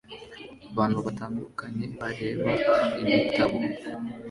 Abantu batandukanye bareba ibitabo